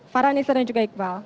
farhani sering juga iqbal